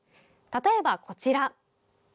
例えば、こちら。